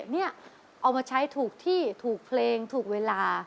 นี่เอามาใช้ถูกที่ถูกเพลงถูกเวลา